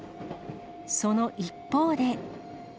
その一方で。